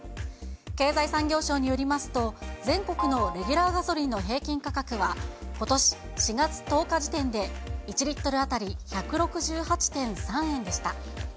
経済産業省によりますと、全国のレギュラーガソリンの平均価格は、ことし４月１０日時点で１リットル当たり１６８．３円でした。